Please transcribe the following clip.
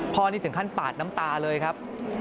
นี่ถึงขั้นปาดน้ำตาเลยครับ